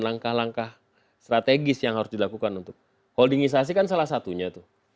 langkah langkah strategis yang harus dilakukan untuk holdingisasi kan salah satunya tuh